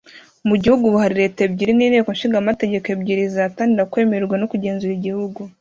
mu gihugu ubu hari leta ebyiri n’inteko nshingamategeko ebyiri zihatanira kwemerwa no kugenzura igihugu